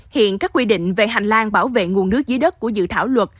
hiện các quy định về hành lang bảo vệ nguồn nước dưới đất của dự thảo luật